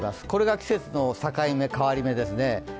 これが季節の境目変わり目ですね。